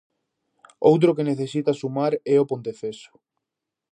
Outro que necesita sumar é o Ponteceso.